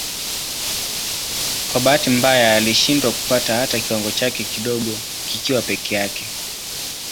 Kwa bahati mbaya alishindwa kupata hata kiwango chake kidogo kikiwa peke yake.